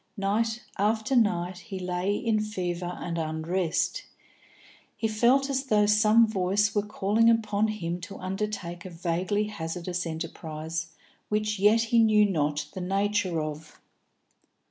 Night after night he lay in fever and unrest. He felt as though some voice were calling upon him to undertake a vaguely hazardous enterprise which yet he knew not the nature of.